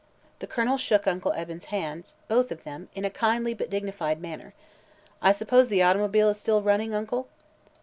The Colonel shook Uncle Eben's hands both of them in a kindly but dignified manner. "I suppose the automobile is still running, Uncle?"